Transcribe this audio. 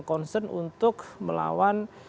concern untuk melawan